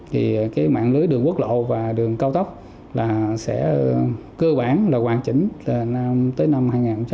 thì cái mạng lưới đường quốc lộ và đường cao tốc là sẽ cơ bản là hoàn chỉnh tới năm hai nghìn hai mươi năm